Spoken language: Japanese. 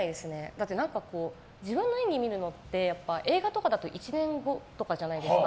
だって、自分の演技を見るのって映画とかだと１年後とかじゃないですか。